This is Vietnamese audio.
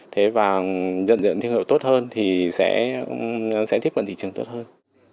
thế và nhận diện thương hiệu tốt hơn thì sẽ tiếp cận thị trường tốt hơn